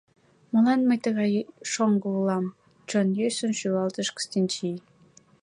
— Молан мый тыгай шоҥго улам? — чон йӧсын шӱлалтыш Кыстынчий.